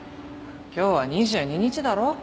今日は２２日だろ。